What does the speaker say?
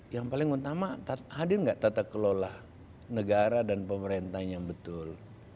yang paling utama hadir nggak tata kelola negara dan pemerintah yang betul